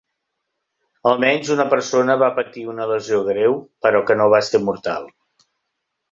Almenys una persona va patir una lesió greu però que no va ser mortal.